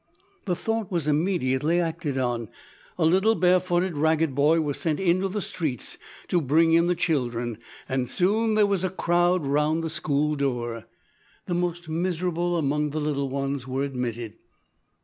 The thought was immediately acted on. A little barefooted ragged boy was sent into the streets to bring in the children. Soon there was a crowd round the school door. The most miserable among the little ones were admitted.